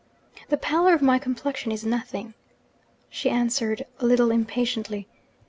'The pallor of my complexion is nothing,' she answered a little impatiently.